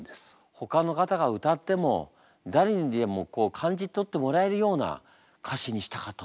ほかの方が歌っても誰にでも感じ取ってもらえるような歌詞にしたかったという。